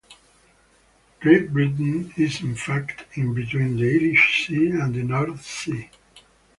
Great Britain is in fact in between the Irish Sea and The North Sea.